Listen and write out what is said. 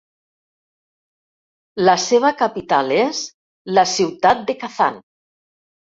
La seva capital és la ciutat de Kazan.